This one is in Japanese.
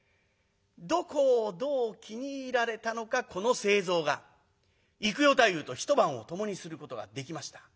どこをどう気に入られたのかこの清蔵が幾代太夫と一晩を共にすることができました。